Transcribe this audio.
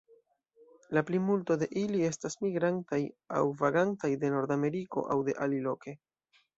La plimulto de ili estas migrantaj aŭ vagantaj de Nordameriko aŭ de aliloke.